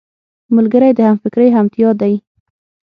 ملګری د همفکرۍ همتيا دی